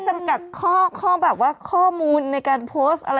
เองจี้เธอเศร้าหรือไหมเองจี้เศร้ามั้ยเธอเหลืออย่างบางสาร